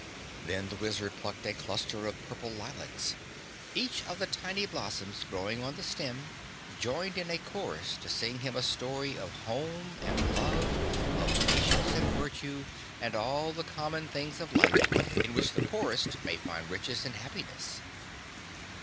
Then the Wizard plucked a cluster of purple lilacs. Each of the tiny blossoms growing on the stem joined in a chorus to sing him a story of home and love, of patience and virtue and all the common things of life in which the poorest may find riches and happiness.